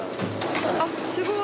あっすごい！